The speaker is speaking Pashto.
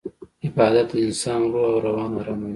عبادت د انسان روح او روان اراموي.